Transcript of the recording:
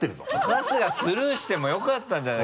春日スルーしてもよかったんじゃない？